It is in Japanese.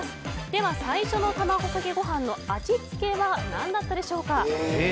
では最初の卵かけご飯の味付けは何だったでしょうか。